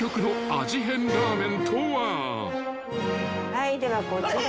はいではこちら。